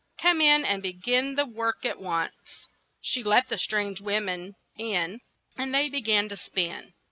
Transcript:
"Come in and be gin the work at once." She let the strange wom en in, and they be gan to spin.